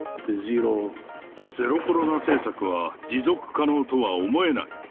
ゼロコロナ政策は持続可能とは思えない。